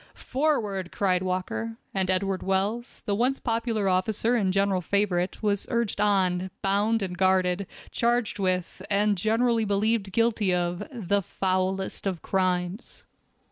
"Forward!" cried Walker, and Edward Wells, the once popular officer and general favorite, was urged on, bound and guarded, charged with, and generally believed guilty of, the foulest of crimes.